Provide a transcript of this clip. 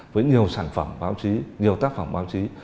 với nhiều sản phẩm báo chí nhiều tác phẩm báo chí